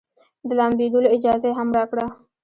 د لامبېدلو اجازه يې هم راکړه.